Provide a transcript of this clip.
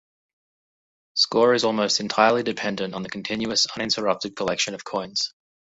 Score is almost entirely dependent on the continuous, uninterrupted collection of coins.